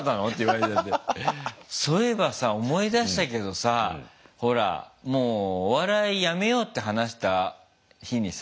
そういえばさ思い出したけどさほらもうお笑いやめようって話した日にさ。